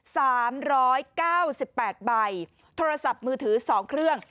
สามร้อยเก้าสิบแปดใบโทรศัพท์มือถือสองเครื่อง